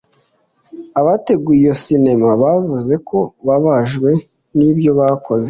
Abateguye iyo sinema bavuze ko babajwe n'ibyo bakoze